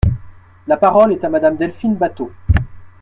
La parole est à Madame Delphine Batho.